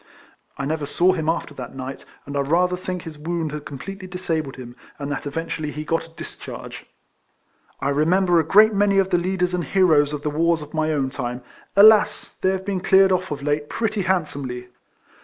I never saw him after that niglit; and I rather think his wound had completely disabled him, and that eventually he got a discharge. I remember a great many of the leaders and heroes of the wars of my own time. Alas! they have been cleared off of late ])retty handsomely